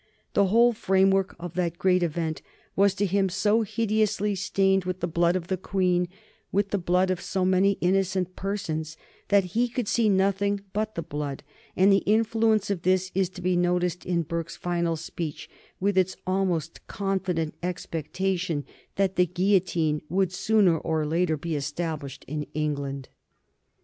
The whole framework of that great event was to him so hideously stained with the blood of the Queen, with the blood of so many innocent persons, that he could see nothing but the blood, and the influence of this is to be noticed in Burke's final speech with its almost confident expectation that the guillotine would sooner or later be established in England.